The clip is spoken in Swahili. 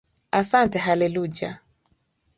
Ahsante hallelujah